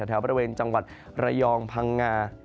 แถวบริเวณจังหวัดระยองพังงา